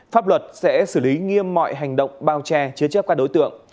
pháp luật sẽ xử lý nghiêm mọi hành động bao che chứa chấp các đối tượng